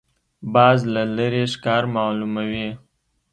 باز له لرې ښکار معلوموي